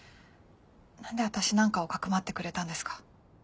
何で私なんかを匿ってくれたんですか？